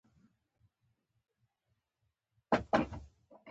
احمد يې په ټولګي کې خپ و چپ کړ.